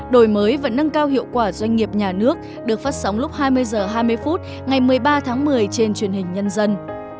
đổi mới và nâng cao hiệu quả doanh nghiệp nhà nước được phát sóng lúc hai mươi h hai mươi phút ngày một mươi ba tháng một mươi trên truyền hình nhân dân